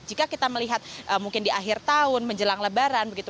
jika kita melihat mungkin di akhir tahun menjelang lebaran begitu